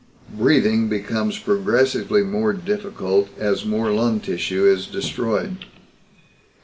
Breathing becomes progressively more difficult as more lung tissue is destroyed.